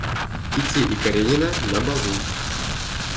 Кити и Каренина на балу.